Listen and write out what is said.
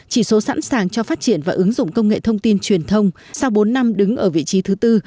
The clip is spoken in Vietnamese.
chỉ số sẵn sàng cho phát triển và ứng dụng công nghệ thông tin truyền thông sau bốn năm đứng ở vị trí thứ tư